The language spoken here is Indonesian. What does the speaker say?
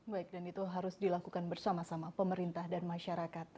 baik dan itu harus dilakukan bersama sama pemerintah dan masyarakat